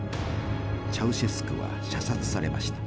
チャウシェスクは射殺されました。